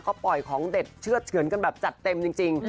ก็ปล่อยของเด็ดเชื่อดเฉือนกันแบบจัดเต็มจริง